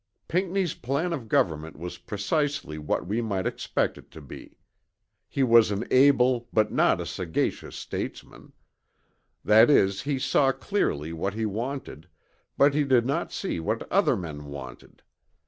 Pinckney's plan of government was precisely what we might expect it to be. He was an able but not a sagacious statesman; that is he saw clearly what he wanted, but he did not see what other men wanted.